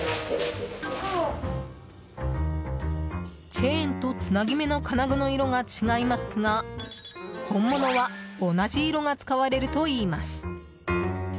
チェーンとつなぎ目の金具の色が違いますが本物は同じ色が使われるといいます。